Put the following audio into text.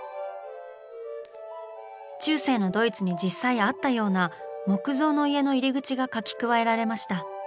中世のドイツに実際あったような木造の家の入り口が描き加えられました。